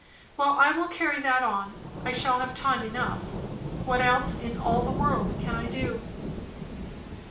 Well, I will carry that on. I shall have time enough. What else in all the world can I do?